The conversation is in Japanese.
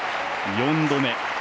４度目。